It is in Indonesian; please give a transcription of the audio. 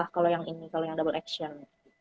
kalau yang ini kalau yang double action